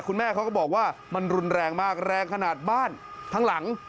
คุณแม่เขาก็บอกว่ามันรุนแรงมากแรงขนาดบ้านทั้งหลัง